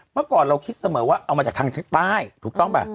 เมื่อก่อนเราคิดเสมอว่าเอามาจากทางใต้ถูกต้องป่ะ